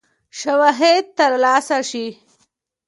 شواهد تر لاسه شي.